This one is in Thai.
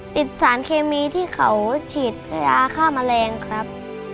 ติดสารเคมีที่เขาฉีดยาฆ่าแมลงครับ